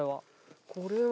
これは。